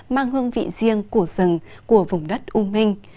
mang hương vị riêng của rừng của vùng đất u minh